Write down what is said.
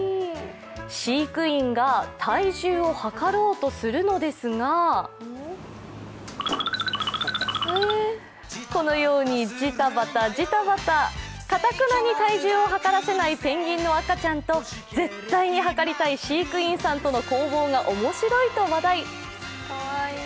飼育員が体重をはかろうとするのですがこのようにじたばたじたばた、かたくなに体重をはからせないペンギンの赤ちゃんと絶対にはかりたい、飼育員さんとの攻防が面白いと話題。